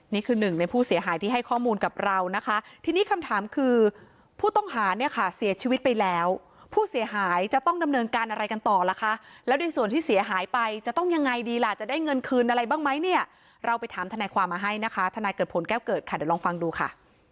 นี่คือหนึ่งในผู้เสียหายที่ให้ข้อมูลกับเรานะคะทีนี้คำถามคือผู้ต้องหาเนี่ยค่ะเสียชีวิตไปแล้วผู้เสียหายจะต้องดำเนินการอะไรกันต่อล่ะคะแล้วในส่วนที่เสียหายไปจะต้องยังไงดีล่ะจะได้เงินคืนอะไรบ้างไหมเนี่ยเราไปถามทนายความมาให้นะคะทนายเกิดผลแก้วเกิดค่ะเดี๋ยวลองฟังดูค่ะ